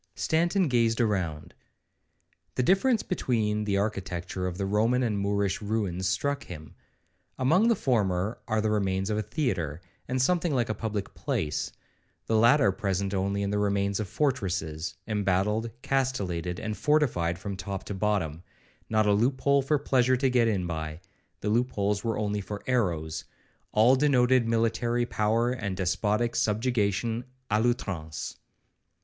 Stanton gazed around. The difference between the architecture of the Roman and Moorish ruins struck him. Among the former are the remains of a theatre, and something like a public place; the latter present only the remains of fortresses, embattled, castellated, and fortified from top to bottom,—not a loop hole for pleasure to get in by,—the loop holes were only for arrows; all denoted military power and despotic subjugation a l'outrance.